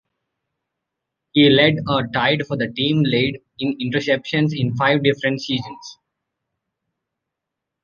He led or tied for the team lead in interceptions in five different seasons.